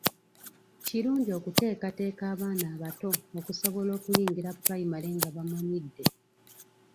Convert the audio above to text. Kirungi okuteekateeka abaana abato okusobola okuyingira Pulayimale nga bamanyidde.